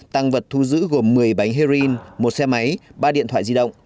tăng vật thu giữ gồm một mươi bánh heroin một xe máy ba điện thoại di động